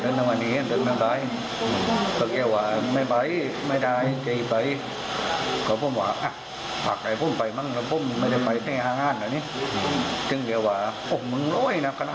นั่นหน้าเมืองนี่จำได้ไม่ค่อยได้มันคุ้มเหนียวไม่เยอะแหละ